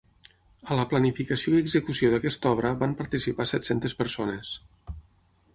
A la planificació i execució d'aquesta obra van participar set-centes persones.